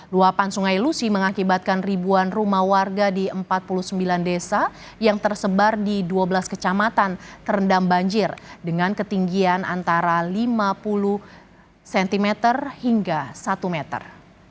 luapan sungai lusi mengakibatkan ribuan rumah warga di empat puluh sembilan desa yang tersebar di dua belas kecamatan terendam banjir dengan ketinggian antara lima puluh cm hingga satu meter